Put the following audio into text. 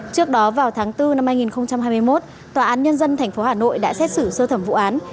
trước đó vào tháng bốn năm hai nghìn hai mươi một tòa án nhân dân tp hà nội đã xét xử sơ thẩm vụ án